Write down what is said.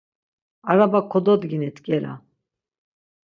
Araba kododginit gela.